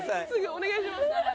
お願いします。